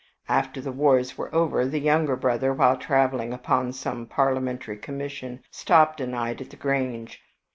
After the wars were over, the younger brother, while traveling upon some parliamentary commission, stopped a night at the Grange.